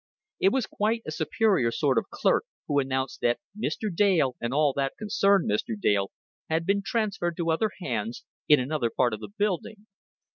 It was quite a superior sort of clerk, who announced that Mr. Dale and all that concerned Mr. Dale had been transferred to other hands, in another part of the building.